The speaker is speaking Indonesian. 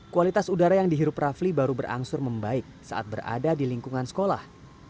kualitas udara yang dihirup rafli baru berangsur membaik saat berada di lingkungan sekolah